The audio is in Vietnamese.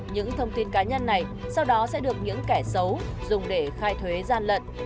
những thông tin cá nhân này sau đó sẽ được những kẻ xấu dùng để khai thuế gian lận